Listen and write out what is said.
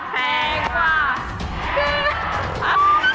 แพงกว่า